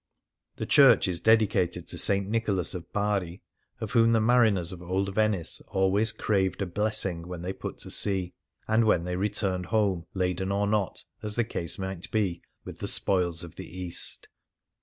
"' The church is dedicated to S. Nicholas of Bari, of whom the mariners of old Venice always craved a blessing when they put to sea and when they 105 Things Seen in Venice returned home, laden or not, as the case might be, with the spoils of the East.